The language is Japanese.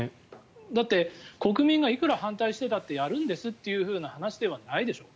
だって、国民がいくら反対してたってやるんですという話ではないでしょう。